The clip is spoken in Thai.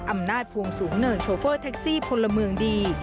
อำนาจพวงสูงเนินโชเฟอร์แท็กซี่พลเมืองดี